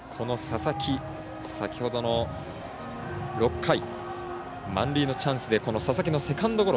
この佐々木、先ほどの６回満塁のチャンスで佐々木のセカンドゴロ。